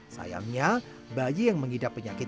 sayangnya bayi yang mengidap penyakit